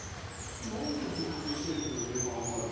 「なぜそこで千両値が上がる」。